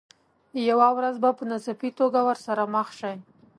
یوه ورځ به په ناڅاپي توګه ورسره مخ شئ.